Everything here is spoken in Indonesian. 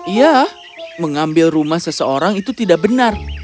iya mengambil rumah seseorang itu tidak benar